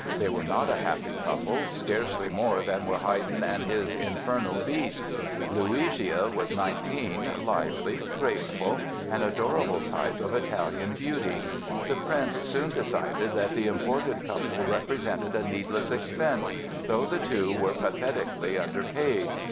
They were not a happy couple, scarcely more than were Haydn and his "Infernal Beast"! Luigia was nineteen, lively, graceful—an adorable type of Italian beauty. The Prince soon decided that the imported couple represented a needless expense, though the two were pathetically underpaid.